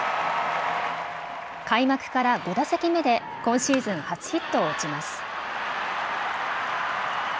開幕から５打席目で今シーズン初ヒットを打ちます。